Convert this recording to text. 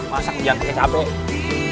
masak jangan pakai cabai kum